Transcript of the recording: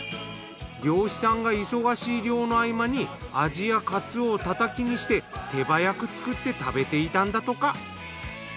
漁師さんが忙しい漁の合間にアジやカツオをたたきにして手早く作って食べていたんだとか。